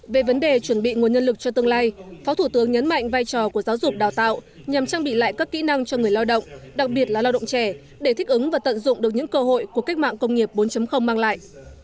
về vấn đề chuẩn bị nguồn nhân lực cho tương lai phó thủ tướng nhấn mạnh vai trò của giáo dục đào tạo nhằm trang bị lại các kỹ năng cho người lao động đặc biệt là lao động trẻ để thích ứng và tận dụng được những cơ hội của cách mạng công nghiệp bốn mang lại